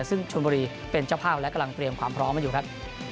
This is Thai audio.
ซึ่งชนบุรีเป็นเจ้าภาพและกำลังเตรียมความพร้อมกันอยู่ครับ